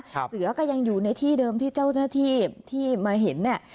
เสือก็ยังอยู่ในที่เดิมที่เจ้าหน้าที่ที่มาเห็นเนี่ย